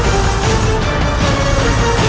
mari kita bersama sama